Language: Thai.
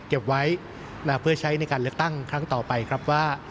เก็บไว้เพื่อใช้ในการเลือกตั้งครั้งต่อไปครับว่า